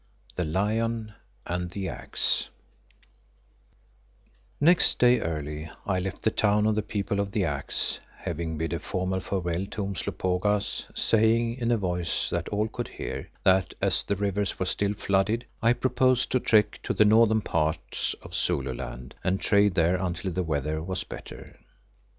THE LION AND THE AXE Next day early I left the town of the People of the Axe, having bid a formal farewell to Umslopogaas, saying in a voice that all could hear that as the rivers were still flooded, I proposed to trek to the northern parts of Zululand and trade there until the weather was better.